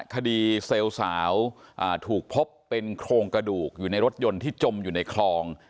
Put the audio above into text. เซลล์สาวถูกพบเป็นโครงกระดูกอยู่ในรถยนต์ที่จมอยู่ในคลอง